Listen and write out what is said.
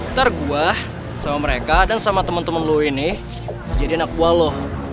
ntar gue sama mereka dan sama temen temen lo ini jadi anak buah lo